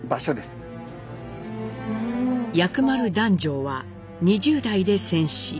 薬丸弾正は２０代で戦死。